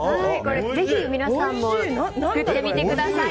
ぜひ皆さんも作ってみてください。